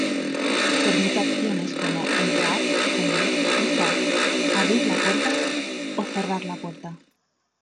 Permite acciones como 'entrar', 'salir', 'cruzar', 'abrir la puerta' o 'cerrar la puerta'.